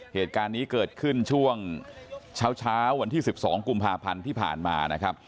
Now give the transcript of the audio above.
เหตุการณ์นี้เกิดขึ้นช่วงเช้าวันที่๑๒กุมภาพันธ์ที่ผ่านมานะครับ